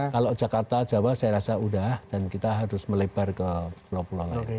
kalau jakarta jawa saya rasa sudah dan kita harus melebar ke pulau pulau lain